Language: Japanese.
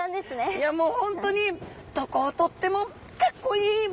いやもう本当にどこを取ってもかっこいい！